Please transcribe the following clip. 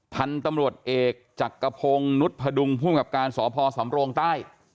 พันตำรวจเอกจักกระพงนุทพดุงภูมิกับการสอบพอสำโรงใต้